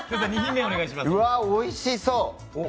うわ、おいしそう。